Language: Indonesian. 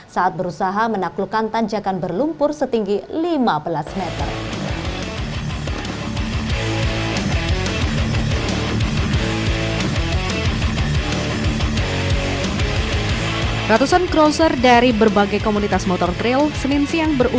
saat berusaha menaklukkan tanjakan berlumpur setinggi lima belas meter